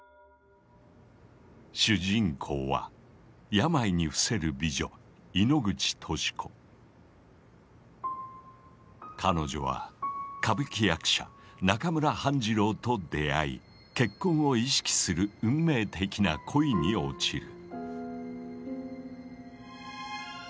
主人公は病に伏せる美女彼女は歌舞伎役者中村半次郎と出会い結婚を意識する運命的な恋に落ちる。